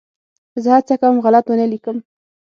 زه هڅه کوم غلط ونه ولیکم.